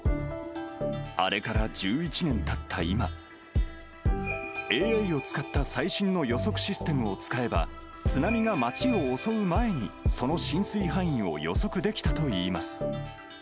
あれから１１年たった今、ＡＩを使った最新の予測システムを使えば、津波が街を襲う前に、その浸水範囲を予測できたといいます。